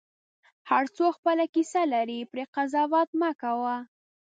هر څوک خپله کیسه لري، پرې قضاوت مه کوه.